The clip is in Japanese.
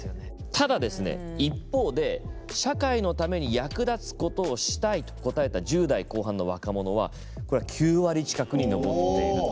ただですね、一方で「社会のために役立つことをしたい」と答えた１０代後半の若者はこれは９割近くに上っていると。